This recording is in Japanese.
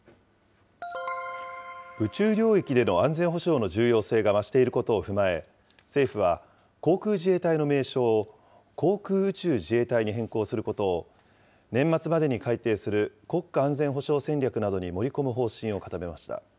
宇宙領域での安全保障の重要性が増していることを踏まえ、政府は、航空自衛隊の名称を、航空宇宙自衛隊に変更することを、年末までに改定する国家安全保障戦略などに盛り込む方針を固めました。